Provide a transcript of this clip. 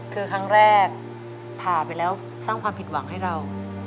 คือครั้งแรกผ่าไปแล้วสร้างความผิดหวังให้เรา